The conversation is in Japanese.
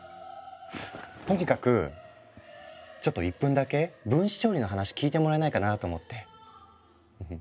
とにかくちょっと１分だけ分子調理の話聞いてもらえないかなと思って。